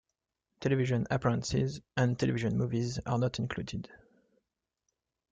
Television appearances and television movies are not included.